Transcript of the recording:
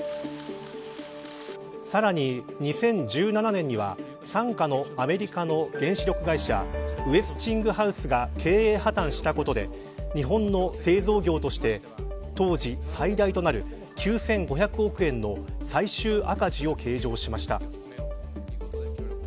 さらに、２０１７年には傘下のアメリカの原子力会社ウェスチングハウスが経営破綻したことで日本の製造業として当時最大となる９５００億円の最終赤字を計上しました。